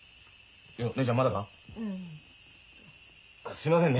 すいませんね